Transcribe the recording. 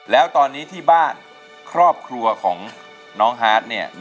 แล้วตอนนี้ที่บ้านครอบครัวของน้องฮาร์ดเนี่ย